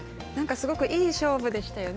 すごくいい勝負でしたよね。